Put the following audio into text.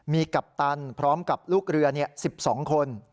มีกัปตันพร้อมกับลูกเรือ๑๒คน